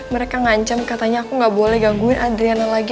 mereka ngancam katanya aku nggak boleh gangguin adriana lagi